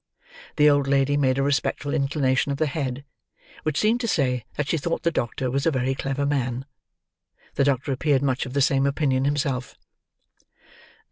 The old lady made a respectful inclination of the head, which seemed to say that she thought the doctor was a very clever man. The doctor appeared much of the same opinion himself.